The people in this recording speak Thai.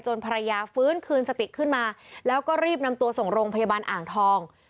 ภรรยาฟื้นคืนสติขึ้นมาแล้วก็รีบนำตัวส่งโรงพยาบาลอ่างทอง